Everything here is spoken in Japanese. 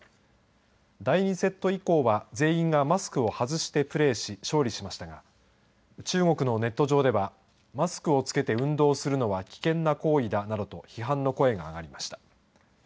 第２セット以降は全員がマスクを外してプレーし勝利しましたが中国のネット上ではマスクをつけて運動するのは危険な行為だなどと批判の声が上がりました。